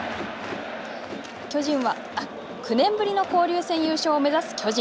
９年ぶりの交流戦優勝を目指す巨人。